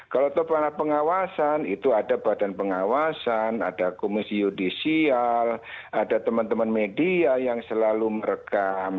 kalau pengawasan itu ada badan pengawasan ada komisi yudisial ada teman teman media yang selalu merekam